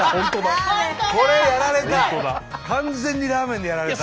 これやられた！